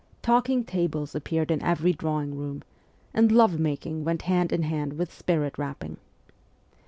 Talking tables appeared in every drawing room, and love making went hand in hand with spirit rapping.